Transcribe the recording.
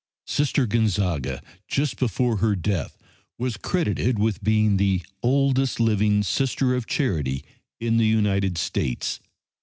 Sister Gonzaga, just before her death, was credited with being the oldest living Sister of Charity in the United States.